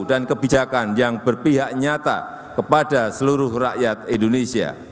dan kebijakan yang berpihak nyata kepada seluruh rakyat indonesia